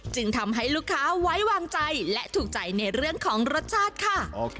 ทำให้ลูกค้าไว้วางใจและถูกใจในเรื่องของรสชาติค่ะ